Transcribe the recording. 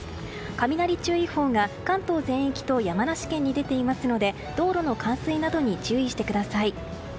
雷注意報が関東全域と山梨県に出ていますので道路の冠水などに注意してください。